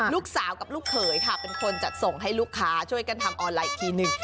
ลูกสาวกับลูกเขยค่ะเป็นคนจัดส่งให้ลูกค้าช่วยกันทำออนไลน์อีกทีหนึ่ง